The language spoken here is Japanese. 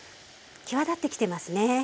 際立ってきてますね。